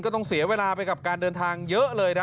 ต้องเสียเวลาไปกับการเดินทางเยอะเลยนะ